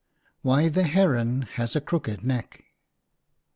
WHY THE HERON HAS A CROOKED NECK.